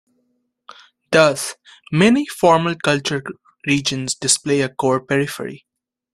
Thus, many formal culture regions display a core-periphery.